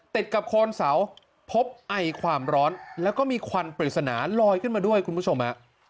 ติดกับโคนเสาพบไอความร้อนแล้วก็มีควันปริศนาลอยขึ้นมาด้วยคุณผู้ชมฮะ